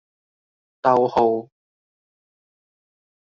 逗號